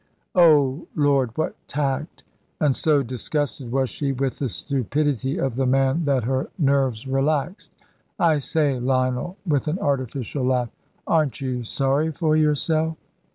"Oh, Lord, what tact!" and so disgusted was she with the stupidity of the man that her nerves relaxed "I say, Lionel," with an artificial laugh, "aren't you sorry for yourself?"